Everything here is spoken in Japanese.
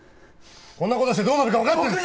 こんな事してどうなるかわかってんのか！？